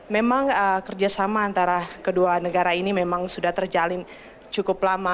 memang kerjasama antara kedua negara ini memang sudah terjalin cukup lama